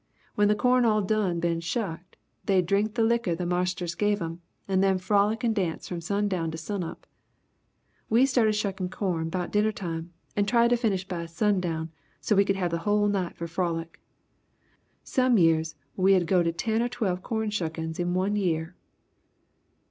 When the corn all done been shucked they'd drink the likker the marsters give 'em and then frolic and dance from sundown to sunup. We started shuckin' corn 'bout dinnertime and tried to finish by sundown so we could have the whole night for frolic. Some years we 'ud go to ten or twelve corn shuckin's in one year!